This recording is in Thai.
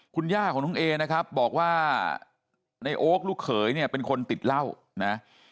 คุณย่าของน้องเอนะครับบอกว่าในโอ๊คลูกเขยเนี่ยเป็นคนติดเหล้านะ